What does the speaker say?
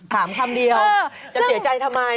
คำเดียวจะเสียใจทำไม